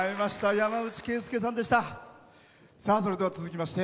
山内惠介さんでした。